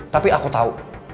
tapi aku tau